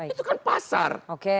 itu kan pasar